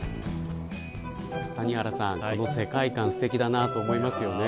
谷原さん、この世界観すてきだなと思いますよね。